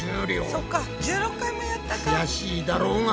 そっか１６回もやったか。